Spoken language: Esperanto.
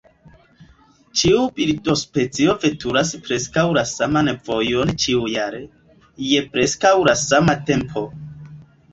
Ĉiu birdospecio veturas preskaŭ la saman vojon ĉiujare, je preskaŭ la sama tempo.